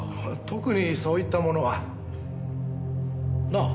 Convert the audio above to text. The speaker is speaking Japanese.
特にそういったものは。なあ？